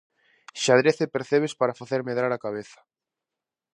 Xadrez e percebes para facer medrar a cabeza.